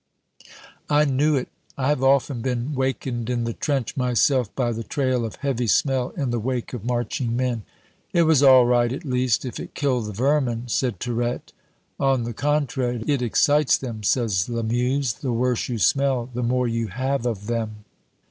I knew it. I have often been wakened in the trench myself by the trail of heavy smell in the wake of marching men. "It was all right, at least, if it killed the vermin," said Tirette. "On the contrary, it excites them," says Lamuse; "the worse you smell, the more you have of 'em."